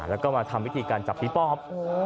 แล้วก็มาทำวิธีการจับผีปอบ